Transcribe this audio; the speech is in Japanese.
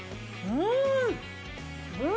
うん。